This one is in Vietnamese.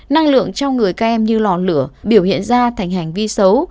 năng lượng trong người các em như lò lửa biểu hiện da thành hành vi xấu